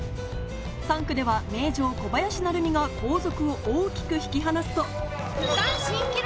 ３区では名城・小林成美が後続を大きく引き離すと。